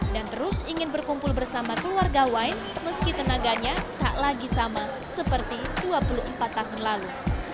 dan terus ingin berkumpul bersama keluarga wain meski tenaganya tak lagi sama seperti dua puluh empat tahun lalu